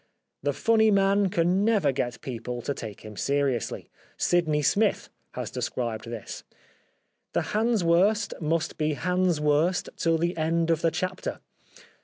The funny man can never get people to take him seriously. Sydney Smith has described this. The Hanswurst must 165 The Life of Oscar Wilde be Hanswurst till the end of the chapter.